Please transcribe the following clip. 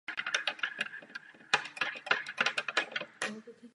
O tři roky později poprvé vystoupil na vrchol nejvyšší hory světa Mount Everest.